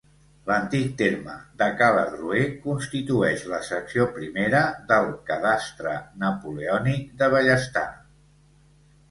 L'antic terme de Caladroer constitueix la secció primera del Cadastre napoleònic de Bellestar.